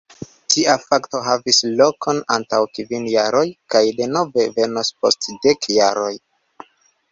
Tia fakto havis lokon antaŭ kvin jaroj kaj denove venos post dek jaroj.